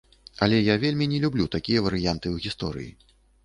Але, я вельмі не люблю такія варыянты ў гісторыі.